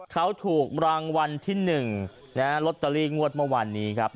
เขาถูกรางวัลที่๑ลอตเตอรี่งวดเมื่อวานนี้ครับ